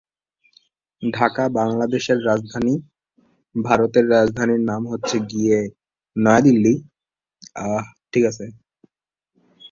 আমার মায়ের বাড়ি নাটোরে।